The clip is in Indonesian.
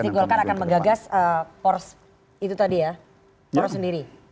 nanti golkar akan menggagas poros itu tadi ya poros sendiri